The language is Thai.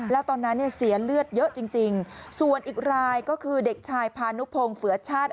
แล้วตอนนั้นเนี่ยเสียเลือดเยอะจริงส่วนอีกรายก็คือเด็กชายพานุพงศ์เฝือชาติ